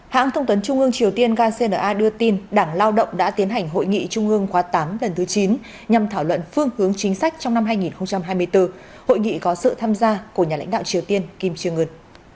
hãng thông tuấn trung ương triều tiên kcna đưa tin đảng lao động đã tiến hành hội nghị trung ương khóa tám lần thứ chín nhằm thảo luận phương hướng chính sách trong năm hai nghìn hai mươi bốn hội nghị có sự tham gia của nhà lãnh đạo triều tiên kim trương ngân